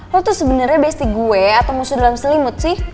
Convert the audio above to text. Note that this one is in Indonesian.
lo tuh sebenarnya besty gue atau musuh dalam selimut sih